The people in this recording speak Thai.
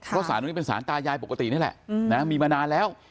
เพราะสารตรงนี้เป็นสารตายายปกตินี่แหละมีมานานแล้ว